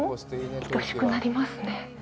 いとしくなりますね。